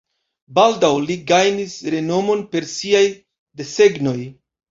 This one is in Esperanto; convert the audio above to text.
Baldaŭ li gajnis renomon per siaj desegnoj.